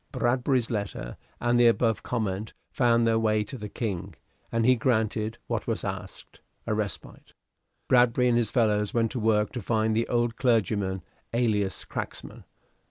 Bradbury's letter and the above comment found their way to the King, and he granted what was asked a respite. Bradbury and his fellows went to work to find the old clergyman, alias cracksman.